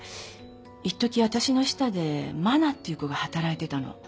いっとき私の下でマナっていう子が働いてたの。